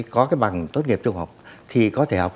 có cái bằng tốt nghiệp trung học